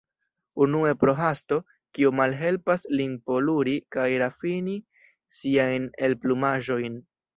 Unue pro hasto, kiu malhelpas lin poluri kaj rafini siajn elplumaĵojn.